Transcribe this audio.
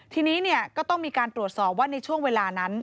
ทีนี้ก็ต้องมีการตรวจสอบว่าในช่วงเวลานั้น